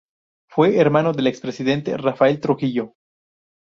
Fue hermano del expresidente Rafael Trujillo.